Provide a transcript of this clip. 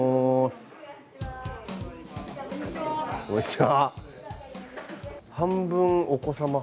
こんにちは。